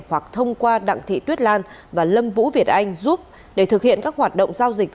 hoặc thông qua đặng thị tuyết lan và lâm vũ việt anh giúp để thực hiện các hoạt động giao dịch